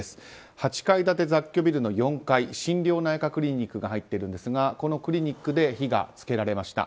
８階建て雑居ビルの４階心療内科クリニックが入っているんですがこのクリニックで火が付けられました。